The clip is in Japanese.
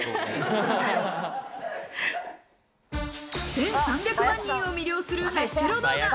１３００万人を魅了する飯テロ動画。